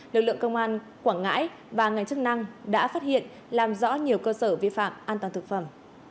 lực lượng công an quảng ngãi và ngành chức năng đã phát hiện làm rõ nhiều cơ sở vi phạm an toàn thực phẩm